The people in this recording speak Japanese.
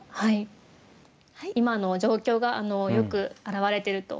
今の状況がよく表れてると思います。